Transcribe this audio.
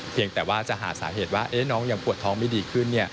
เพียงแต่ว่าจะหาสาเหตุว่าน้องยังปวดท้องไม่ดีขึ้น